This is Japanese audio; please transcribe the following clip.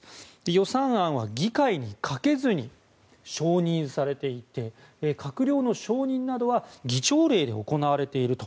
予算案は議会にかけずに承認されていて閣僚の承認などは議長令で行われていると。